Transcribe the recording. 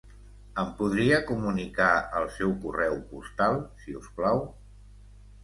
Em podria comunicar el seu correu postal, si us plau?